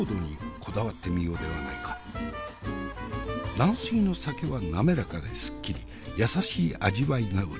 軟水の酒はなめらかですっきり優しい味わいが売り。